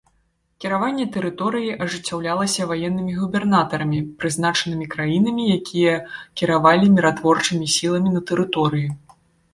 Кіраванне тэрыторыяй ажыццяўлялася ваеннымі губернатарамі, прызначанымі краінамі, якія кіравалі міратворчымі сіламі на тэрыторыі.